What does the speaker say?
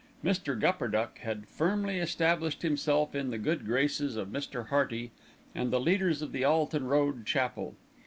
Mr. Gupperduck had firmly established himself in the good graces of Mr. Hearty and the leaders of the Alton Road Chapel.